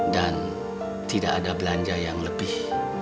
dan tidak ada belanja yang lebih